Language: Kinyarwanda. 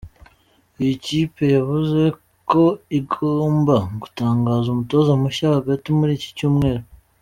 Iyi kipe yavuze ko igomba gutangaza umutoza mushya hagati muri iki cyumweru.